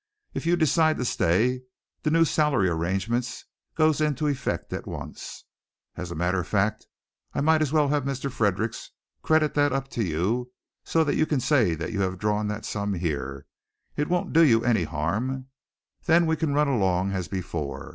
If you decide to stay, the new salary arrangement goes into effect at once. As a matter of fact, I might as well have Mr. Fredericks credit that up to you so that you can say that you have drawn that sum here. It won't do you any harm. Then we can run along as before.